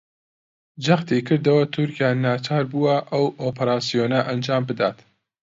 جەختیکردەوە تورکیا ناچار بووە ئەو ئۆپەراسیۆنە ئەنجامبدات